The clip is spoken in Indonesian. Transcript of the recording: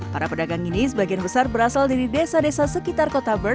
para pedagang ini sebagian besar berasal dari desa desa sekitar kota bern